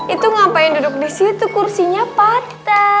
itu ngapain duduk disitu kursinya patah